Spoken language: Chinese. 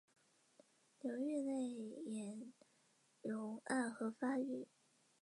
流域内岩溶暗河发育。